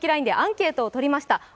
ＬＩＮＥでアンケートをとりました。